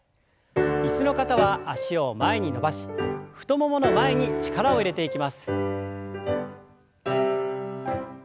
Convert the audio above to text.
椅子の方は脚を前に伸ばし太ももの前に力を入れていきます。